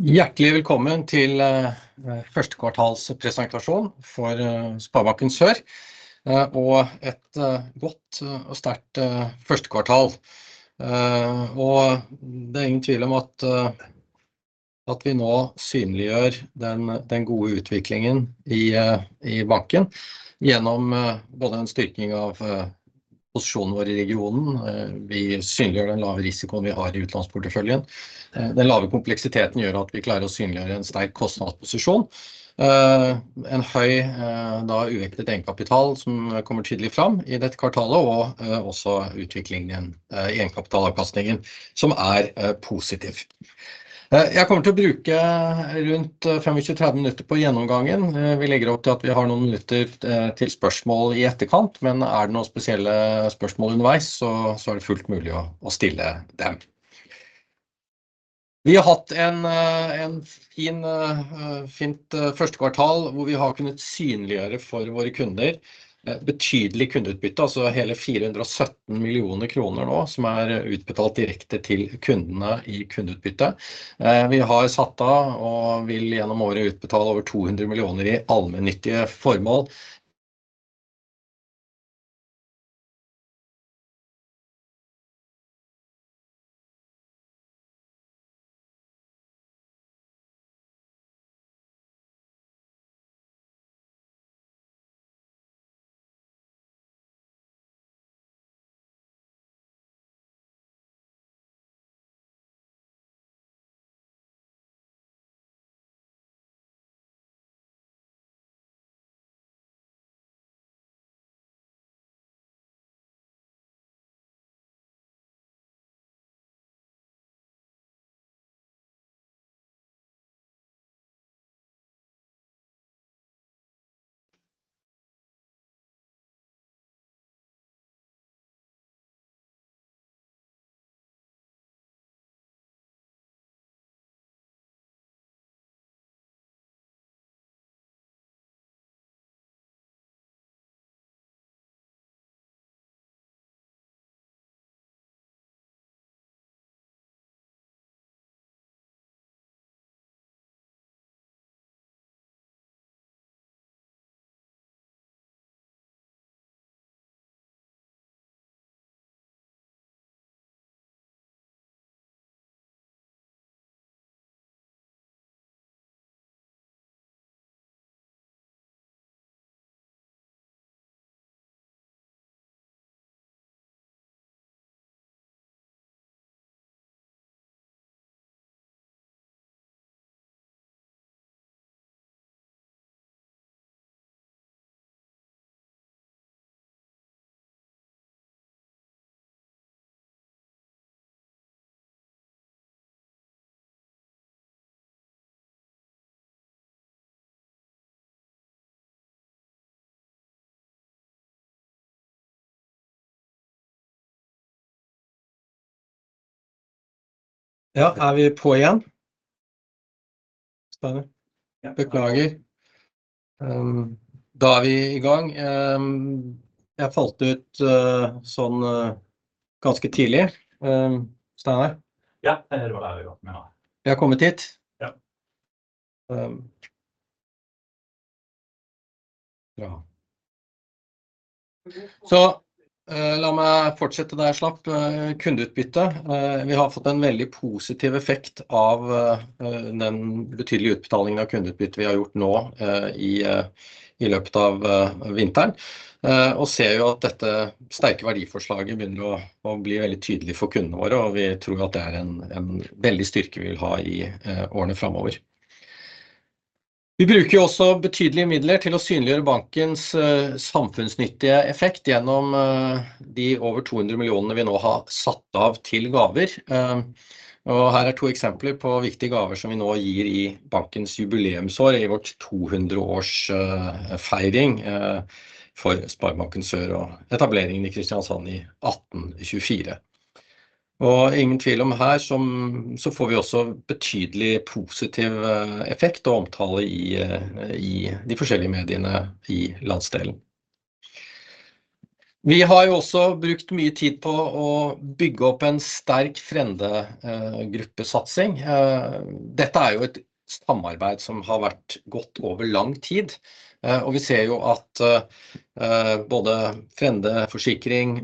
Hjertelig velkommen til første kvartals presentasjon for Sparebanken Sør, og et godt og sterkt første kvartal. Det er ingen tvil om at vi nå synliggjør den gode utviklingen i banken gjennom både en styrking av posisjonen vår i regionen. Vi synliggjør den lave risikoen vi har i utlånsporteføljen. Den lave kompleksiteten gjør at vi klarer å synliggjøre en sterk kostnadsposisjon. En høy, udekt egenkapital som kommer tydelig fram i dette kvartalet, og også utviklingen i egenkapitalavkastningen, som er positiv. Jeg kommer til å bruke rundt 25-30 minutter på gjennomgangen. Vi legger opp til at vi har noen minutter til spørsmål i etterkant, men er det noen spesielle spørsmål underveis så er det fullt mulig å stille dem. Vi har hatt et fint første kvartal hvor vi har kunnet synliggjøre for våre kunder betydelig kundeutbytte. Altså hele fire hundre og sytten millioner kroner nå, som er utbetalt direkte til kundene i kundeutbytte. Vi har satt av og vil gjennom året utbetale over to hundre millioner i allmennyttige formål. Ja, er vi på igjen, Steinar? Ja. Beklager. Da er vi i gang. Jeg falt ut sånn ganske tidlig. Steinar? Ja, det var det vi har. Vi har kommet dit. Ja. Ja. Så la meg fortsette der jeg slapp. Kundeutbytte. Vi har fått en veldig positiv effekt av den betydelige utbetalingen av kundeutbytte vi har gjort nå i løpet av vinteren. Ser jo at dette sterke verdiforslaget begynner å bli veldig tydelig for kundene våre, og vi tror at det er en veldig styrke vi vil ha i årene framover. Vi bruker jo også betydelige midler til å synliggjøre bankens samfunnsnyttige effekt gjennom de over 200 millionene vi nå har satt av til gaver. Her er to eksempler på viktige gaver som vi nå gir i bankens jubileumsår. I vårt 200 års feiring for Sparebanken Sør og etableringen i Kristiansand i 1824. Ingen tvil om at her får vi også betydelig positiv effekt og omtale i de forskjellige mediene i landsdelen. Vi har jo også brukt mye tid på å bygge opp en sterk Frende gruppesatsing. Dette er jo et samarbeid som har vart og gått over lang tid, og vi ser jo at både Frende Forsikring,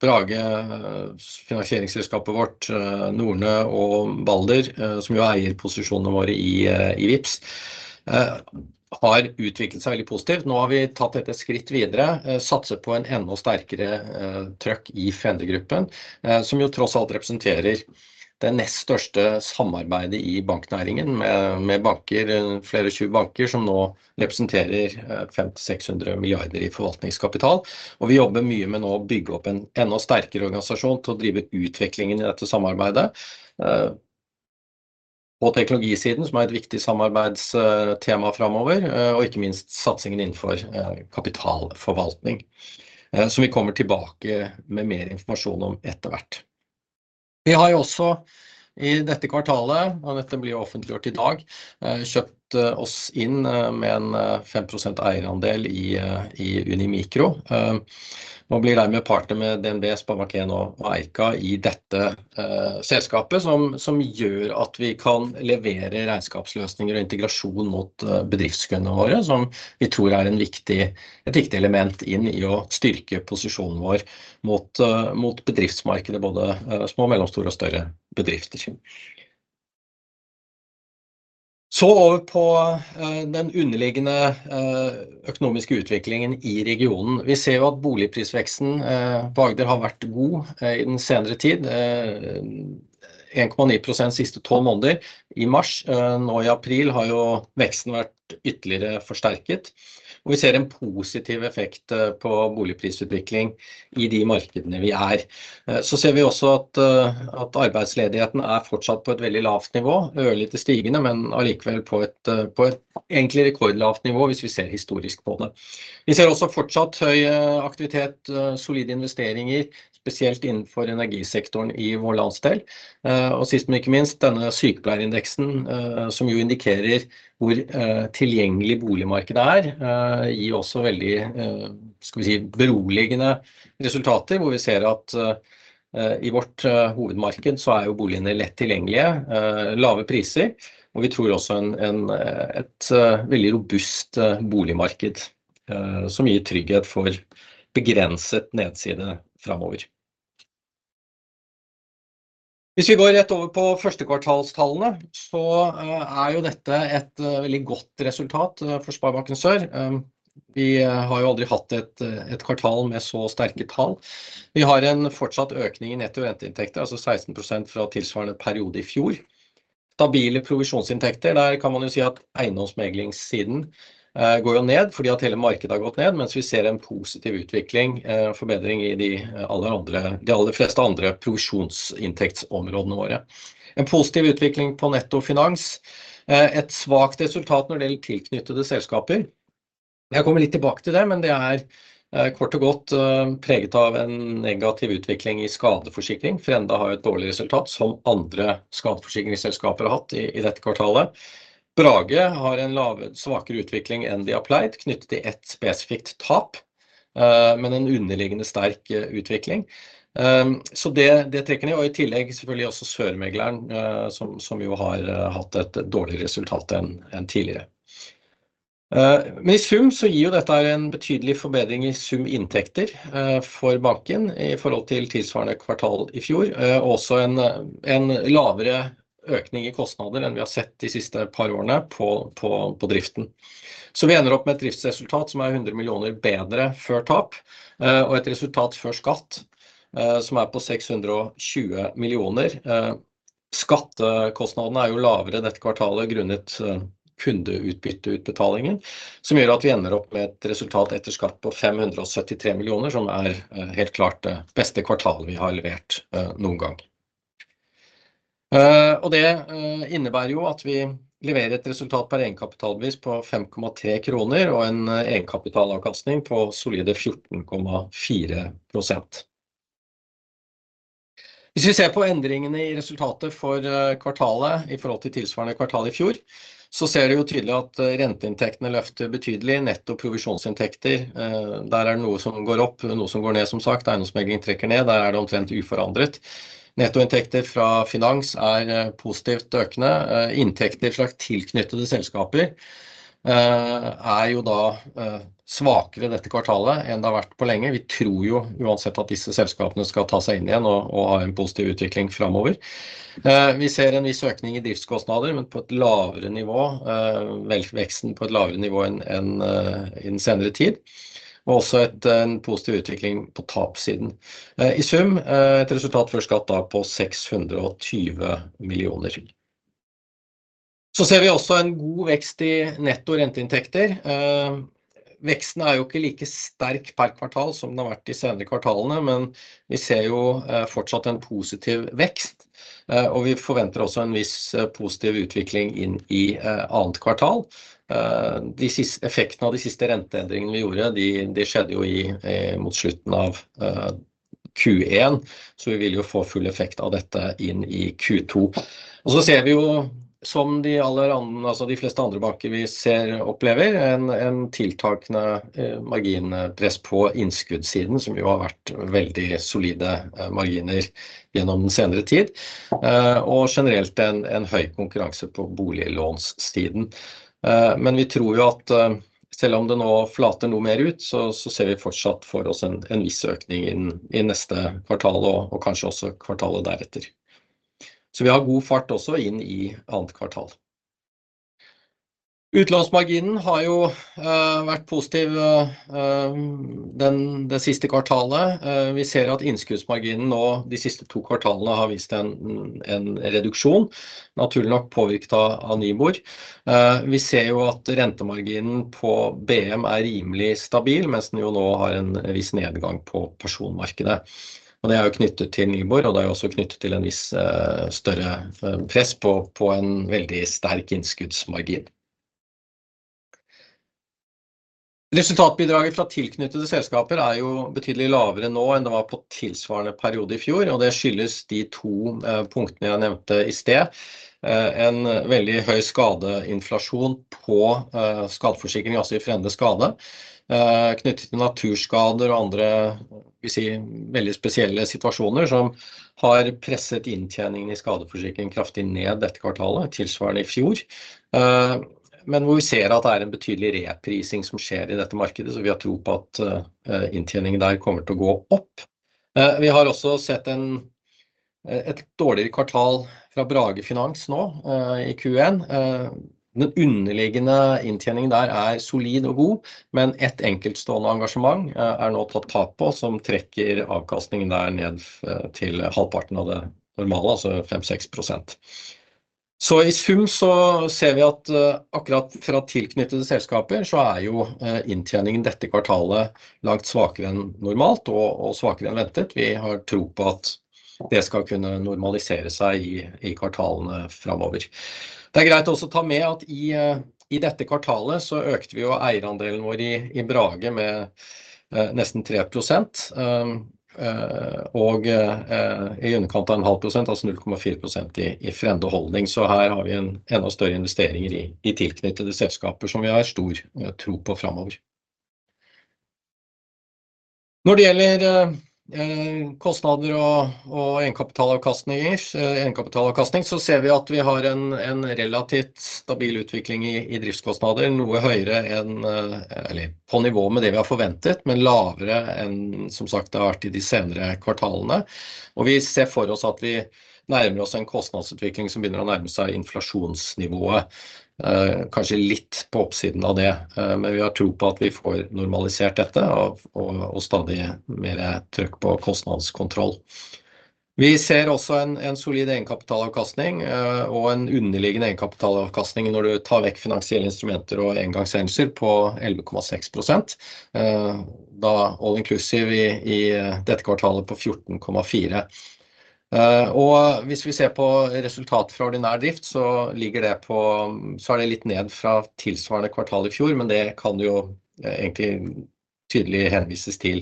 Brage Finansieringsselskapet vårt, Nordea og Balder, som jo eier posisjonene våre i Vipps, har utviklet seg veldig positivt. Nå har vi tatt dette et skritt videre. Satser på en enda sterkere innsats i Frende gruppen, som jo tross alt representerer det nest største samarbeidet i banknæringen med banker. Flere tjue banker som nå representerer NOK 500-600 milliarder i forvaltningskapital. Vi jobber mye med nå å bygge opp en enda sterkere organisasjon til å drive utviklingen i dette samarbeidet, og teknologisiden, som er et viktig samarbeidstema fremover, og ikke minst satsingen innenfor kapitalforvaltning. Som vi kommer tilbake med mer informasjon om etter hvert. Vi har jo også i dette kvartalet, og dette blir jo offentliggjort i dag, kjøpt oss inn med en 5% eierandel i Unimikro. Og blir dermed partner med DNB, Sparebanken og Eika i dette selskapet, som gjør at vi kan levere regnskapsløsninger og integrasjon mot bedriftskundene våre, som vi tror er et viktig element inn i å styrke posisjonen vår mot bedriftsmarkedet. Både små og mellomstore og større bedrifter. Over på den underliggende økonomiske utviklingen i regionen. Vi ser jo at boligprisveksten i Agder har vært god i den senere tid. 1,9% siste tolv måneder i mars. Nå i april har jo veksten vært ytterligere forsterket, og vi ser en positiv effekt på boligprisutvikling i de markedene vi er. Så ser vi også at arbeidsledigheten er fortsatt på et veldig lavt nivå. Ørlite stigende, men allikevel på et egentlig rekordlavt nivå hvis vi ser historisk på det. Vi ser også fortsatt høy aktivitet, solide investeringer, spesielt innenfor energisektoren i vår landsdel. Og sist, men ikke minst denne sykepleierindeksen, som jo indikerer hvor tilgjengelig boligmarkedet er, gir også veldig beroligende resultater hvor vi ser at i vårt hovedmarked så er jo boligene lett tilgjengelige, lave priser. Og vi tror også et veldig robust boligmarked som gir trygghet for begrenset nedsider framover. Hvis vi går rett over på førstekvartalstallene, så er jo dette et veldig godt resultat for Sparebanken Sør. Vi har jo aldri hatt et kvartal med så sterke tall. Vi har en fortsatt økning i netto renteinntekter, altså 16% fra tilsvarende periode i fjor. Stabile provisjonsinntekter. Der kan man jo si at eiendomsmeglingssiden går ned fordi hele markedet har gått ned, mens vi ser en positiv utvikling og forbedring i alle andre, de aller fleste andre provisjonsinntektsområdene våre. En positiv utvikling på netto finans. Et svakt resultat når det gjelder tilknyttede selskaper. Jeg kommer litt tilbake til det, men det er kort og godt preget av en negativ utvikling i skadeforsikring. Frenda har et dårlig resultat som andre skadeforsikringsselskaper har hatt i dette kvartalet. Brage har en lavere, svakere utvikling enn de har pleid knyttet til et spesifikt tap, men en underliggende sterk utvikling. Det trekker ned. I tillegg selvfølgelig også Søre Megleren, som har hatt et dårligere resultat enn tidligere. Men i sum gir dette her en betydelig forbedring i sum inntekter for banken i forhold til tilsvarende kvartal i fjor. Og også en lavere økning i kostnader enn vi har sett de siste par årene på driften. Så vi ender opp med et driftsresultat som er 100 millioner bedre før tap og et resultat før skatt som er på 620 millioner. Skattekostnadene er jo lavere i dette kvartalet grunnet kundeutbytteutbetalingen, som gjør at vi ender opp med et resultat etter skatt på 577 millioner, som er helt klart det beste kvartalet vi har levert noen gang. Og det innebærer jo at vi leverer et resultat per egenkapitalbevis på 5,3 kroner og en egenkapitalavkastning på solide 14,4%. Hvis vi ser på endringene i resultatet for kvartalet i forhold til tilsvarende kvartal i fjor, så ser vi jo tydelig at renteinntektene løfter betydelig. Netto provisjonsinntekter. Der er det noe som går opp, noe som går ned. Som sagt, eiendomsmegling trekker ned. Der er det omtrent uforandret. Nettoinntekter fra finans er positivt økende. Inntekter fra tilknyttede selskaper er jo da svakere i dette kvartalet enn det har vært på lenge. Vi tror jo uansett at disse selskapene skal ta seg inn igjen og ha en positiv utvikling framover. Vi ser en viss økning i driftskostnader, men på et lavere nivå. Vekst, veksten på et lavere nivå enn i den senere tid, og også en positiv utvikling på tapssiden. I sum et resultat før skatt på 620 millioner. Vi ser også en god vekst i netto renteinntekter. Veksten er jo ikke like sterk per kvartal som den har vært de senere kvartalene, men vi ser jo fortsatt en positiv vekst, og vi forventer også en viss positiv utvikling inn i annet kvartal. De siste effektene av de siste renteendringene vi gjorde, det skjedde jo i mot slutten av Q1, så vi vil jo få full effekt av dette inn i Q2. Og så ser vi jo som de aller andre, altså de fleste andre banker vi ser opplever en tiltakende marginpress på innskuddssiden, som jo har vært veldig solide marginer gjennom den senere tid. Og generelt en høy konkurranse på boliglånssiden. Men vi tror jo at selv om det nå flater noe mer ut, så ser vi fortsatt for oss en viss økning inn i neste kvartal og kanskje også kvartalet deretter. Så vi har god fart også inn i annet kvartal. Utlånsmarginen har jo vært positiv den det siste kvartalet. Vi ser at innskuddsmarginen nå de siste to kvartalene har vist en reduksjon, naturlig nok påvirket av Nibor. Vi ser jo at rentemarginen på BM er rimelig stabil, mens den jo nå har en viss nedgang på personmarkedet. Det er jo knyttet til Nibor, og det er også knyttet til en viss større press på en veldig sterk innskuddsmargin. Resultatbidraget fra tilknyttede selskaper er jo betydelig lavere nå enn det var på tilsvarende periode i fjor, og det skyldes de to punktene jeg nevnte i sted. En veldig høy skadeinflasjon på skadeforsikring, altså i fremmede skade, knyttet til naturskader og andre, vi si veldig spesielle situasjoner som har presset inntjeningen i skadeforsikring kraftig ned dette kvartalet, tilsvarende i fjor. Men hvor vi ser at det er en betydelig reprising som skjer i dette markedet. Vi har tro på at inntjeningen der kommer til å gå opp. Vi har også sett et dårligere kvartal fra Brage Finans nå i Q1. Den underliggende inntjeningen der er solid og god, men et enkeltstående engasjement er nå tatt tap på, som trekker avkastningen der ned til halvparten av det normale, altså 5-6%. I sum så ser vi at akkurat fra tilknyttede selskaper så er jo inntjeningen dette kvartalet langt svakere enn normalt og svakere enn ventet. Vi har tro på at det skal kunne normalisere seg i kvartalene framover. Det er greit å også ta med at i dette kvartalet så økte vi jo eierandelen vår i Brage med nesten 3%, og i underkant av en halv prosent, altså 0,4% i Frende Holding. Her har vi en enda større investeringer i tilknyttede selskaper som vi har stor tro på fremover. Når det gjelder kostnader og egenkapitalavkastning, så ser vi at vi har en relativt stabil utvikling i driftskostnader, noe høyere enn eller på nivå med det vi har forventet, men lavere enn det har vært i de senere kvartalene. Vi ser for oss at vi nærmer oss en kostnadsutvikling som begynner å nærme seg inflasjonsnivået. Kanskje litt på oppsiden av det, men vi har tro på at vi får normalisert dette og stadig mer trykk på kostnadskontroll. Vi ser også en solid egenkapitalavkastning og en underliggende egenkapitalavkastning når du tar vekk finansielle instrumenter og engangshendelser på 11,6%. All inclusive i dette kvartalet på 14,4%. Hvis vi ser på resultatet fra ordinær drift, så er det litt ned fra tilsvarende kvartal i fjor. Men det kan jo egentlig tydelig henvises til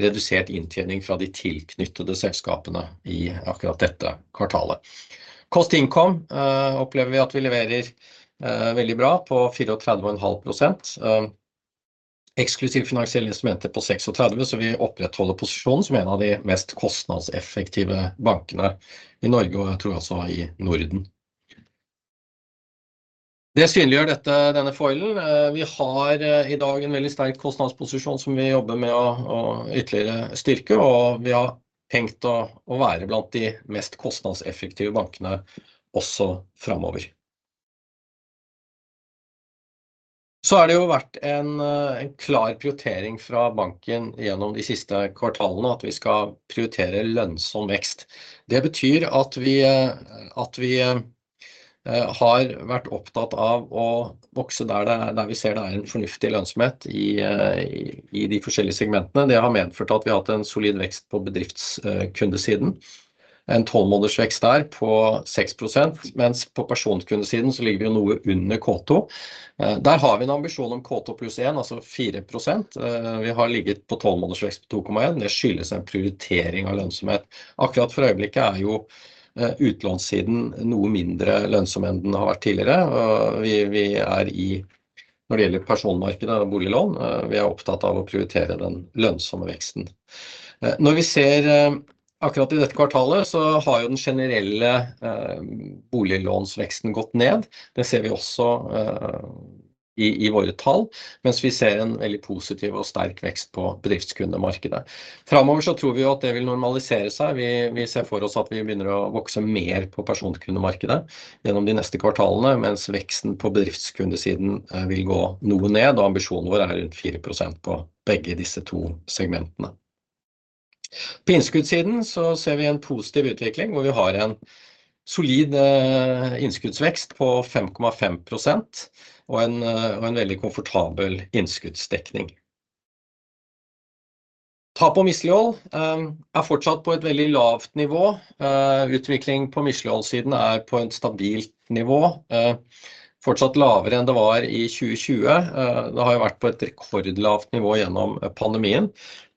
redusert inntjening fra de tilknyttede selskapene i akkurat dette kvartalet. Cost income opplever vi at vi leverer veldig bra på 34,5%, eksklusiv finansielle instrumenter på 36%. Så vi opprettholder posisjonen som en av de mest kostnadseffektive bankene i Norge, og jeg tror også i Norden. Det synliggjør dette, denne foilen. Vi har i dag en veldig sterk kostnadsposisjon som vi jobber med å ytterligere styrke. Vi har tenkt å være blant de mest kostnadseffektive bankene også framover. Så er det jo vært en klar prioritering fra banken gjennom de siste kvartalene at vi skal prioritere lønnsom vekst. Det betyr at vi har vært opptatt av å vokse der det er, der vi ser det er en fornuftig lønnsomhet i de forskjellige segmentene. Det har medført at vi har hatt en solid vekst på bedriftskunde siden. En tolv måneders vekst der på 6%, mens på personkundesiden så ligger vi noe under K2. Der har vi en ambisjon om K2 pluss en, altså 4%. Vi har ligget på tolv måneders vekst på 2,1%. Det skyldes en prioritering av lønnsomhet. Akkurat for øyeblikket er jo utlånssiden noe mindre lønnsom enn den har vært tidligere, og vi er i når det gjelder personmarkedet og boliglån. Vi er opptatt av å prioritere den lønnsomme veksten. Når vi ser akkurat i dette kvartalet, så har jo den generelle boliglånsveksten gått ned. Det ser vi også i våre tall, mens vi ser en veldig positiv og sterk vekst på bedriftskundemarkedet. Fremover så tror vi jo at det vil normalisere seg. Vi ser for oss at vi begynner å vokse mer på personkundemarkedet gjennom de neste kvartalene, mens veksten på bedriftskundesiden vil gå noe ned. Ambisjonen vår er rundt 4% på begge disse to segmentene. På innskuddssiden så ser vi en positiv utvikling hvor vi har en solid innskuddsvekst på 5,5% og en veldig komfortabel innskuddsdekning. Tap og mislighold er fortsatt på et veldig lavt nivå. Utvikling på misligholdsiden er på et stabilt nivå, fortsatt lavere enn det var i 2020. Det har jo vært på et rekordlavt nivå gjennom pandemien,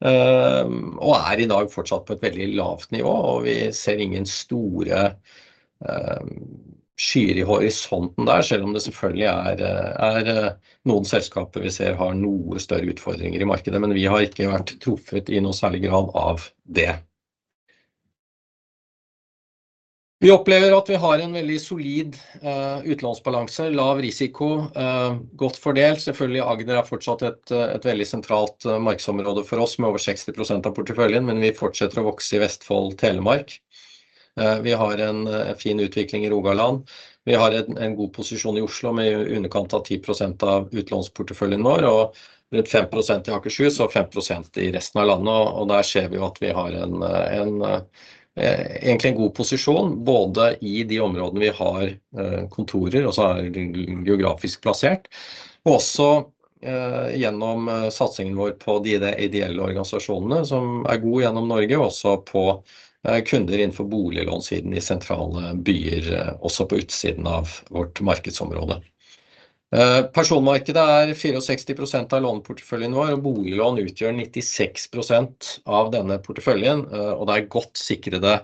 og er i dag fortsatt på et veldig lavt nivå. Vi ser ingen store skyer i horisonten der, selv om det selvfølgelig er noen selskaper vi ser har noe større utfordringer i markedet. Men vi har ikke vært truffet i noen særlig grad av det. Vi opplever at vi har en veldig solid utlånsbalanse. Lav risiko, godt fordelt. Selvfølgelig, Agder er fortsatt et veldig sentralt markedsområde for oss, med over 60% av porteføljen. Men vi fortsetter å vokse i Vestfold Telemark. Vi har en fin utvikling i Rogaland. Vi har en god posisjon i Oslo, med i underkant av 10% av utlånsporteføljen vår og rundt 5% i Akershus og 5% i resten av landet. Og der ser vi jo at vi har en egentlig en god posisjon både i de områdene vi har kontorer og så er geografisk plassert, og også gjennom satsingen vår på de ideelle organisasjonene som er god gjennom Norge, og også på kunder innenfor boliglån siden i sentrale byer, også på utsiden av vårt markedsområde. Personmarkedet er 64% av låneporteføljen vår, og boliglån utgjør 96% av denne porteføljen, og det er godt sikrede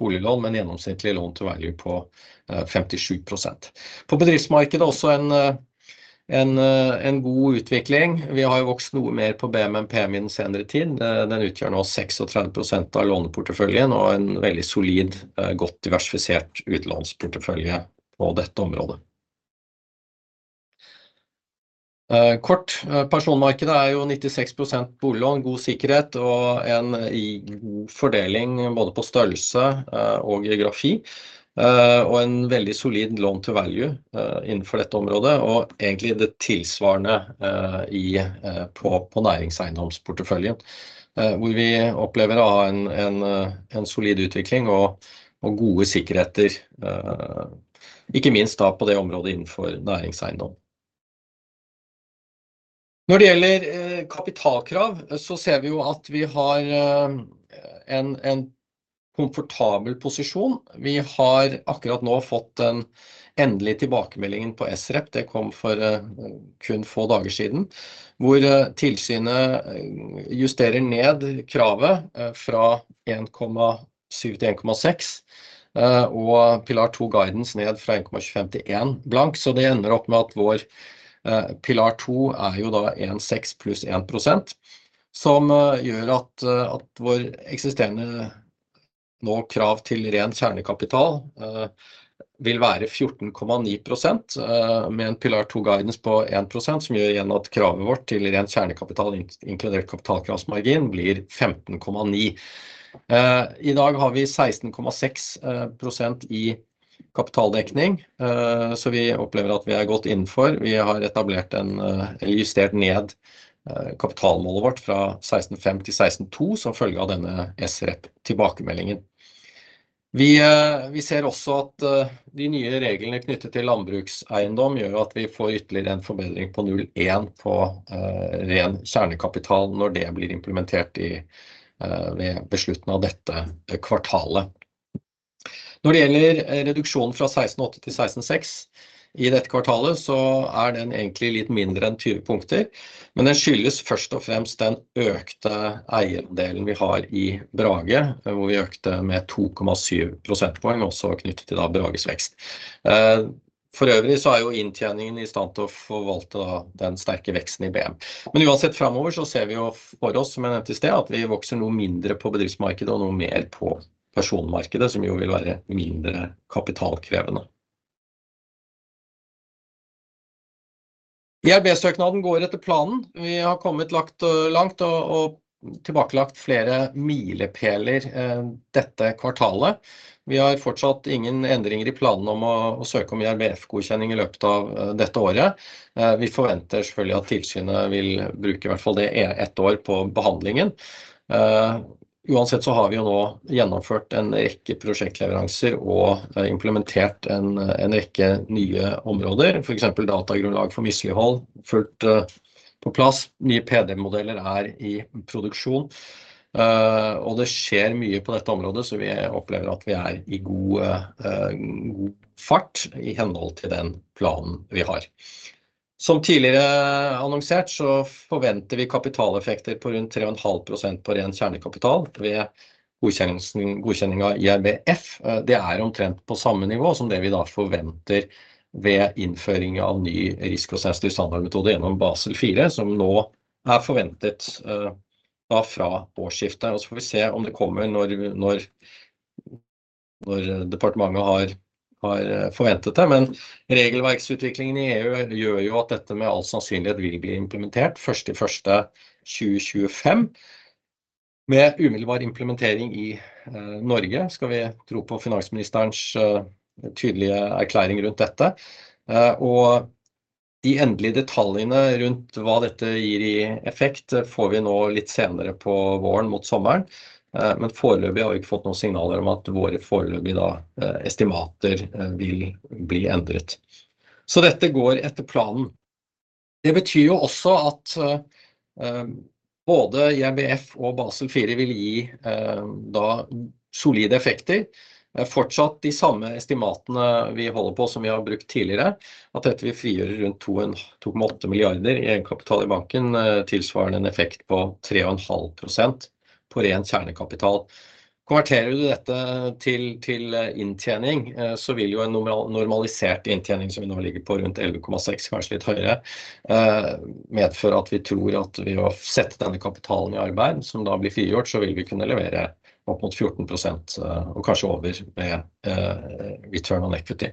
boliglån med en gjennomsnittlig loan to value på 57%. På bedriftsmarkedet også en god utvikling. Vi har jo vokst noe mer på BMMP i den senere tid. Den utgjør nå 36% av låneporteføljen og en veldig solid, godt diversifisert utlånsportefølje på dette området. Personmarkedet er jo 96% boliglån, god sikkerhet og en god fordeling både på størrelse og geografi, og en veldig solid loan to value innenfor dette området. Og egentlig det tilsvarende på næringseiendomsporteføljen, hvor vi opplever å ha en solid utvikling og gode sikkerheter, ikke minst da på det området innenfor næringseiendom. Når det gjelder kapitalkrav så ser vi jo at vi har en komfortabel posisjon. Vi har akkurat nå fått den endelige tilbakemeldingen på SREP. Det kom for kun få dager siden, hvor tilsynet justerer ned kravet fra 1,7 til 1,6, og pilar to guidance ned fra 1,25 til 1,0. Så det ender opp med at vår pilar to er jo da en 6% pluss 1%, som gjør at vår eksisterende nå krav til ren kjernekapital vil være 14,9%, med en pilar to guidance på 1%, som gjør igjen at kravet vårt til ren kjernekapital inkludert kapitalkravsmargin blir 15,9%. I dag har vi 16,6% i kapitaldekning, så vi opplever at vi er godt innenfor. Vi har etablert en, justert ned kapitalmålet vårt fra 16,5% til 16,2%, som følge av denne SREP tilbakemeldingen. Vi ser også at de nye reglene knyttet til landbrukseiendom gjør jo at vi får ytterligere en forbedring på 0,1% på ren kjernekapital når det blir implementert ved beslutningen av dette kvartalet. Når det gjelder reduksjonen fra seksten åtte til seksten seks i dette kvartalet, så er den egentlig litt mindre enn tyve punkter. Men den skyldes først og fremst den økte eierandelen vi har i Brage, hvor vi økte med 2,7 prosentpoeng, også knyttet til Brages vekst. Forøvrig så er jo inntjeningen i stand til å forvalte den sterke veksten i BM. Men uansett fremover så ser vi jo for oss, som jeg nevnte i sted, at vi vokser noe mindre på bedriftsmarkedet og noe mer på personmarkedet, som jo vil være mindre kapitalkrevende. IRB-søknaden går etter planen. Vi har kommet langt og tilbakelagt flere milepæler dette kvartalet. Vi har fortsatt ingen endringer i planen om å søke om IRBF-godkjenning i løpet av dette året. Vi forventer selvfølgelig at tilsynet vil bruke i hvert fall ett år på behandlingen. Uansett så har vi jo nå gjennomført en rekke prosjektleveranser og implementert en rekke nye områder, for eksempel datagrunnlag for mislighold fullt på plass. Nye PD-modeller er i produksjon, og det skjer mye på dette området, så vi opplever at vi er i god fart i henhold til den planen vi har. Som tidligere annonsert så forventer vi kapitaleffekter på rundt 3,5% på ren kjernekapital ved godkjennelsen av IRBF. Det er omtrent på samme nivå som det vi da forventer ved innføring av ny risikoprosess til standardmetode gjennom Basel IV, som nå er forventet da fra årsskiftet. Så får vi se om det kommer når departementet har forventet det. Men regelverksutviklingen i EU gjør jo at dette med all sannsynlighet vil bli implementert først i 2025, med umiddelbar implementering i Norge. Skal vi tro på finansministerens tydelige erklæring rundt dette, og de endelige detaljene rundt hva dette gir i effekt får vi nå litt senere på våren mot sommeren. Men foreløpig har vi ikke fått noen signaler om at våre foreløpige estimater vil bli endret. Så dette går etter planen. Det betyr jo også at både IRBF og Basel fire vil gi solide effekter. Fortsatt de samme estimatene vi holder på som vi har brukt tidligere. At dette vil frigjøre rundt 2,8 milliarder i egenkapital i banken, tilsvarende en effekt på 3,5% på ren kjernekapital. Konverterer du dette til inntjening, så vil jo en normal, normalisert inntjening, som vi nå ligger på rundt 11,6%, kanskje litt høyere, medføre at vi tror at ved å sette denne kapitalen i arbeid som da blir frigjort, så vil vi kunne levere opp mot 14% og kanskje over med return on equity.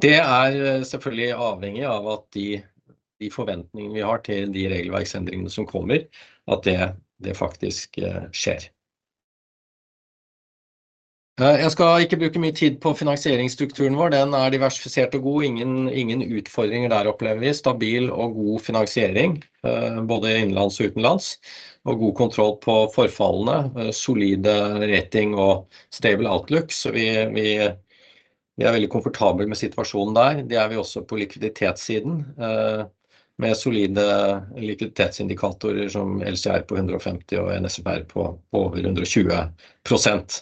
Det er selvfølgelig avhengig av at de forventningene vi har til de regelverksendringene som kommer, at det faktisk skjer. Jeg skal ikke bruke mye tid på finansieringsstrukturen vår. Den er diversifisert og god. Ingen utfordringer der opplever vi. Stabil og god finansiering, både innenlands og utenlands. Og god kontroll på forfallene. Solide rating og stable outlook. Så vi er veldig komfortable med situasjonen der. Det er vi også på likviditetssiden med solide likviditetsindikatorer, som LCR på 150% og NSFR på over 120%.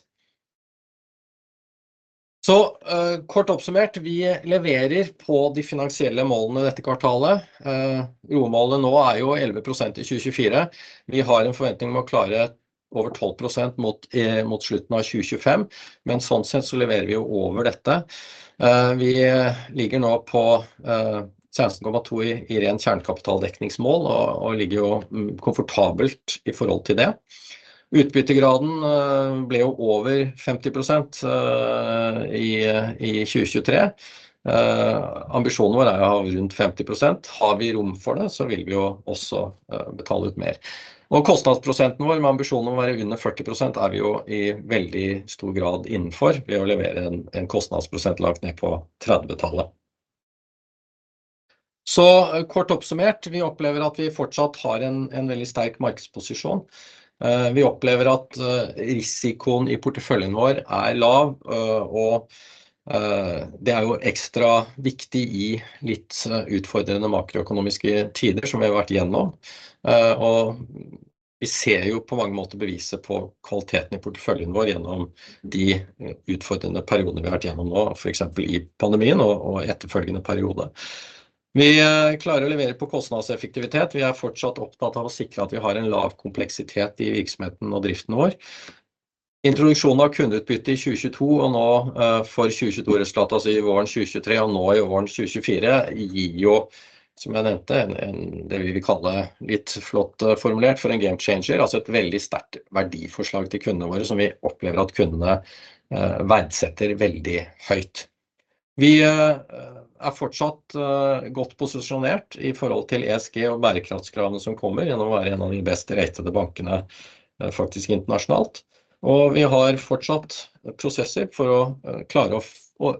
Så kort oppsummert vi leverer på de finansielle målene dette kvartalet. ROE målet nå er jo 11% i 2024. Vi har en forventning om å klare over 12% mot slutten av 2025. Men sånn sett så leverer vi jo over dette. Vi ligger nå på 17,2% i ren kjernekapitaldekning mål og ligger jo komfortabelt i forhold til det. Utbyttegraden ble jo over 50% i 2023. Ambisjonene våre er å ha rundt 50%. Har vi rom for det, så vil vi jo også betale ut mer. Kostnadsprosenten vår med ambisjon om å være under 40%, er vi jo i veldig stor grad innenfor ved å levere en kostnadsprosent langt ned på 30-tallet. Så kort oppsummert, vi opplever at vi fortsatt har en veldig sterk markedsposisjon. Vi opplever at risikoen i porteføljen vår er lav, og det er jo ekstra viktig i litt utfordrende makroøkonomiske tider som vi har vært igjennom. Vi ser jo på mange måter beviset på kvaliteten i porteføljen vår gjennom de utfordrende periodene vi har vært gjennom nå, for eksempel i pandemien og i etterfølgende periode. Vi klarer å levere på kostnadseffektivitet. Vi er fortsatt opptatt av å sikre at vi har en lav kompleksitet i virksomheten og driften vår. Introduksjon av kundeutbytte i 2022, og nå for 2022 resultat, altså i våren 2023 og nå i våren 2024. Gir jo, som jeg nevnte, det vi vil kalle litt flott formulert for en game changer. Altså et veldig sterkt verdiforslag til kundene våre, som vi opplever at kundene verdsetter veldig høyt. Vi er fortsatt godt posisjonert i forhold til ESG og bærekraftskravene som kommer, gjennom å være en av de best ratede bankene, faktisk internasjonalt. Vi har fortsatt prosesser for å klare å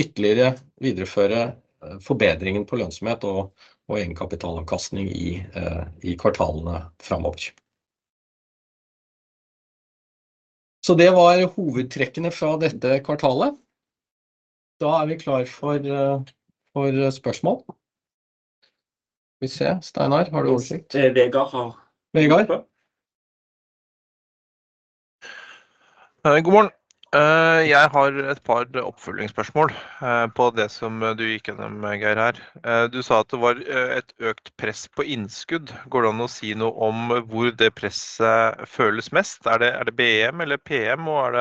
ytterligere videreføre forbedringen på lønnsomhet og egenkapitalavkastning i kvartalene framover. Det var hovedtrekkene fra dette kvartalet. Da er vi klar for spørsmål. Skal vi se, Steinar, har du oversikt? Det er Vegard. Vegard. God morgen! Jeg har et par oppfølgingsspørsmål på det som du gikk gjennom, Geir her. Du sa at det var et økt press på innskudd. Går det an å si noe om hvor det presset føles mest? Er det BM eller PM? Og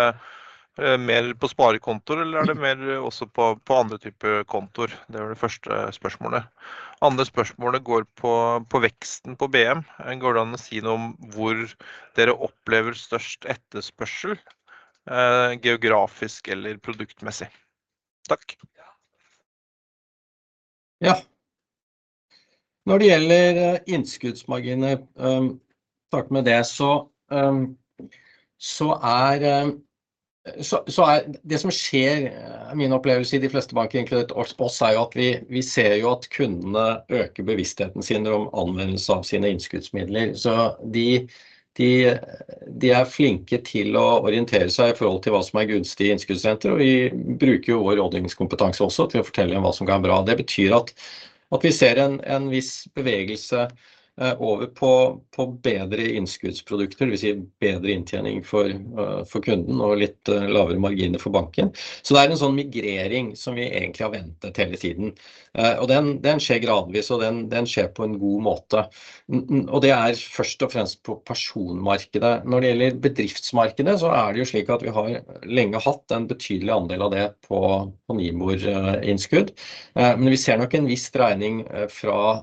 er det mer på sparekontoer, eller er det mer også på andre typer kontoer? Det var det første spørsmålet. Andre spørsmålet går på veksten på BM. Går det an å si noe om hvor dere opplever størst etterspørsel, geografisk eller produktmessig? Takk! Ja. Når det gjelder innskuddsmarginene, starter med det. Så er det det som skjer, min opplevelse i de fleste banker, inkludert oss, er jo at vi ser jo at kundene øker bevisstheten sin om anvendelse av sine innskuddsmidler. Så de er flinke til å orientere seg i forhold til hva som er gunstig i innskuddssenter. Vi bruker jo vår rådgivningskompetanse også til å fortelle om hva som går bra. Det betyr at vi ser en viss bevegelse over på bedre innskuddsprodukter, det vil si bedre inntjening for kunden og litt lavere marginer for banken. Så det er en sånn migrering som vi egentlig har ventet hele tiden, og den skjer gradvis og den skjer på en god måte. Det er først og fremst på personmarkedet. Når det gjelder bedriftsmarkedet så er det jo slik at vi har lenge hatt en betydelig andel av det på NIBOR-innskudd. Men vi ser nok en viss dreining fra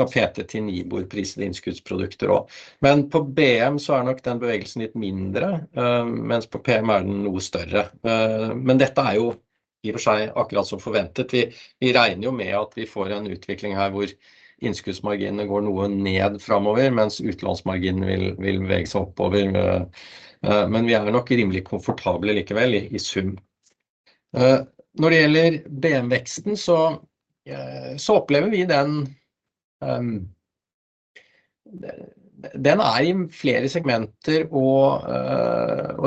PT til NIBOR-prisede innskuddsprodukter også. Men på BM så er nok den bevegelsen litt mindre, mens på PM er den noe større. Men dette er jo i og for seg akkurat som forventet. Vi regner jo med at vi får en utvikling her hvor innskuddsmarginene går noe ned fremover, mens utlånsmarginene vil bevege seg oppover. Men vi er nok rimelig komfortable likevel i sum. Når det gjelder BM-veksten så opplever vi den... Den er i flere segmenter og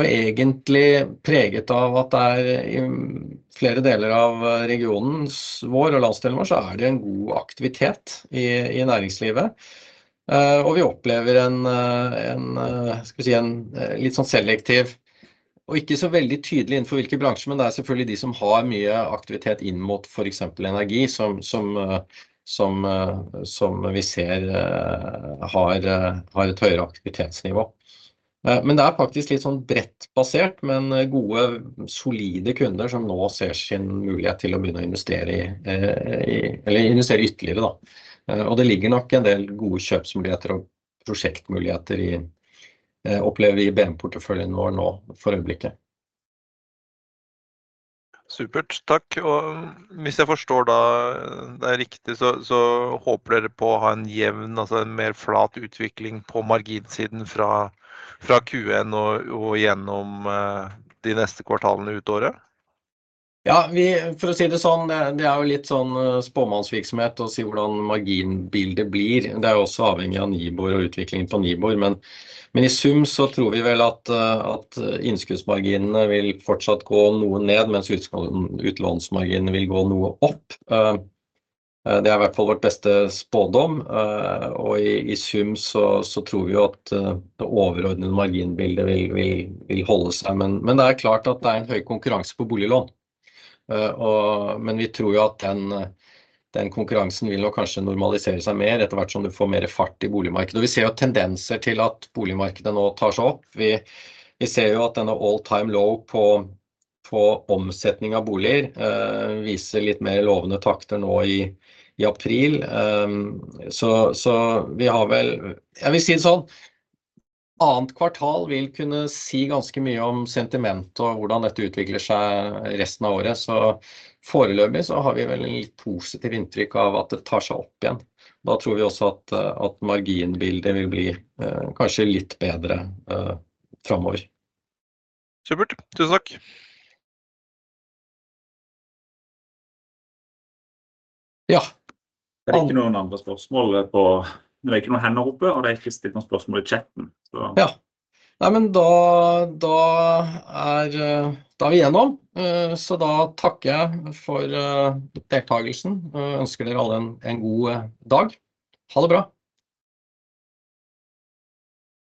egentlig preget av at det er i flere deler av regionen vår og landsdelen vår, så er det en god aktivitet i næringslivet, og vi opplever en litt sånn selektiv og ikke så veldig tydelig innenfor hvilke bransjer. Men det er selvfølgelig de som har mye aktivitet inn mot for eksempel energi som vi ser har et høyere aktivitetsnivå. Men det er faktisk litt sånn bredt basert, men gode, solide kunder som nå ser sin mulighet til å begynne å investere i eller investere ytterligere da. Og det ligger nok en del gode kjøpsmuligheter og prosjektmuligheter i BM porteføljen vår nå for øyeblikket. Supert! Takk. Og hvis jeg forstår det riktig, så håper dere på å ha en jevn, altså en mer flat utvikling på marginsiden fra Q1 og gjennom de neste kvartalene ut året. Ja, vi for å si det sånn. Det er jo litt sånn spåmannsvirksomhet å si hvordan marginbildet blir. Det er også avhengig av Nibor og utviklingen på Nibor. Men i sum så tror vi vel at innskuddsmarginene vil fortsatt gå noe ned, mens utlånsmarginene vil gå noe opp. Det er i hvert fall vårt beste spådom, og i sum så tror vi jo at det overordnede marginbildet vil holde seg. Men det er klart at det er en høy konkurranse på boliglån, men vi tror jo at den konkurransen vil nok kanskje normalisere seg mer etter hvert som du får mer fart i boligmarkedet. Vi ser jo tendenser til at boligmarkedet nå tar seg opp. Vi ser jo at denne all time low på omsetning av boliger viser litt mer lovende takter nå i april. Vi har vel, jeg vil si det sånn, annet kvartal vil kunne si ganske mye om sentiment og hvordan dette utvikler seg resten av året. Foreløpig har vi vel et litt positivt inntrykk av at det tar seg opp igjen. Da tror vi også at marginbildet vil bli kanskje litt bedre fremover. Super! Tusen takk. Ja. Det er ikke noen andre spørsmål på, det er ikke noen hender oppe, og det er ikke stilt noen spørsmål i chatten. Ja, nei men da, da er da vi igjennom. Så da takker jeg for deltakelsen og ønsker dere alle en god dag. Ha det bra!